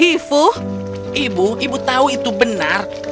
ibu ibu tahu itu benar